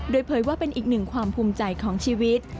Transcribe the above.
โดยเผยว่าเป็นอีกหนึ่งความภูมิใจของชีวิต